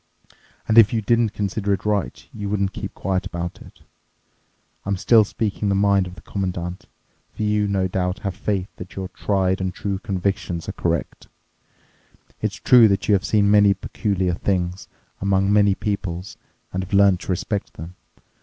And if you didn't consider it right, you wouldn't keep quiet about it—I'm still speaking the mind of the Commandant—for you no doubt have faith that your tried and true convictions are correct. It's true that you have seen many peculiar things among many peoples and have learned to respect them.